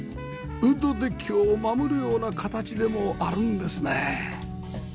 ウッドデッキを守るような形でもあるんですね